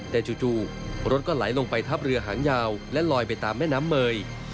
แต่จู่รถก็ไหลลงไปทับเรือหางยาวและลอยไปตามแม่น้ำเมย